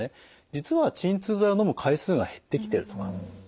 実は鎮痛剤をのむ回数が減ってきてるとか。